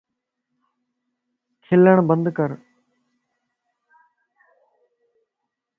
کلن بند ڪر